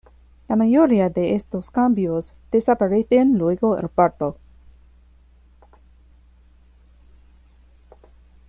La mayoría de estos cambios desaparecen luego del parto.